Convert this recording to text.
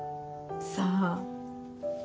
さあ。